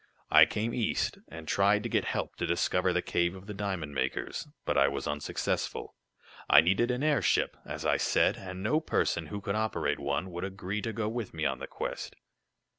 I came East, and tried to get help to discover the cave of the diamond makers, but I was unsuccessful. I needed an airship, as I said, and no person who could operate one, would agree to go with me on the quest.